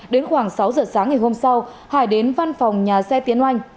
đến khoảng sáu giờ sáng ngày hôm sau hải đến văn phòng nhà xe tiến oanh